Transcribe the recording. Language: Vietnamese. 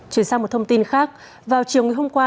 chuyển sang một thông tin khác vào chiều ngày hôm qua